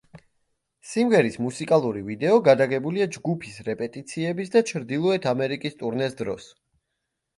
სიმღერის მუსიკალური ვიდეო გადაღებულია ჯგუფის რეპეტიციების და ჩრდილოეთ ამერიკის ტურნეს დროს.